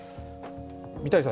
三谷さん